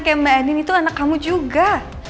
kayak mbak anin itu anak kamu juga